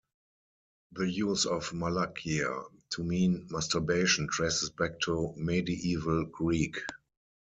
The use of "malakia" to mean "masturbation" traces back to medieval Greek.